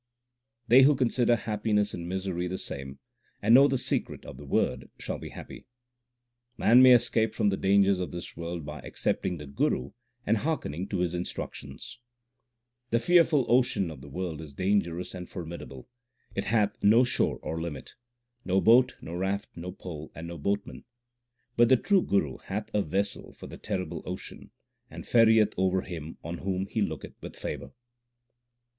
They who consider happiness and misery the same, and know the secret of the Word shall be happy. Man may escape from the dangers of this world by accepting the Guru and hearkening to his instruc tions: The fearful ocean of the world is dangerous and formid able ; it hath no shore or limit, No boat, no raft, no pole, and no boatman ; But the true Guru hath a vessel for the terrible ocean, and ferrieth over him on whom he looketh with favour.